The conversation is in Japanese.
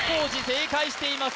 正解しています